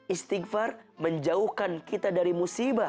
istighfar menjauhkan kita dari musibah